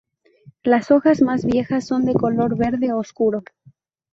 Las hojas más viejas son de color verde oscuro.